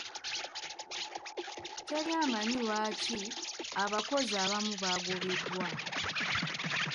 Teri amanyi lwaki abakozi abamu baagobeddwa.